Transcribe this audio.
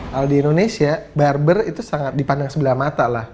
kalau di indonesia barbers itu sangat dipandang sebelah mata